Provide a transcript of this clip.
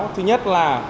thứ nhất là